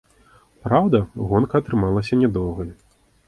Праўда, гонка атрымалася нядоўгай.